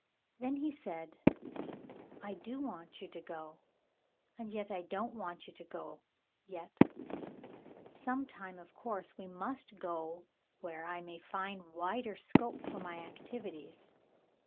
Then he said, "I do want you to go — and yet I don't want you to go — yet. Sometime, of course, we must go where I may find wider scope for my activities."